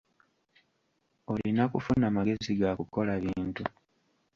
Olina kufuna magezi ga kukola bintu.